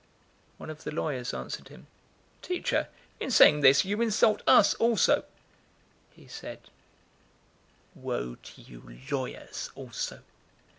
011:045 One of the lawyers answered him, "Teacher, in saying this you insult us also." 011:046 He said, "Woe to you lawyers also!